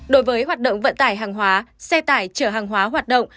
đối với hoạt động vận tải hàng hóa xe tải chở hàng hóa hoạt động